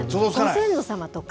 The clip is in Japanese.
ご先祖様とか。